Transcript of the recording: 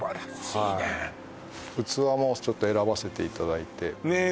はい器もちょっと選ばせていただいてねえ